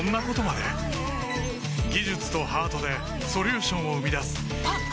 技術とハートでソリューションを生み出すあっ！